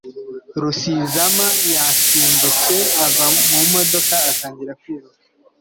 Rusizama yasimbutse ava mu modoka atangira kwiruka